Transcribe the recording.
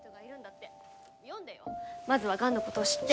まずは、がんのことを知って。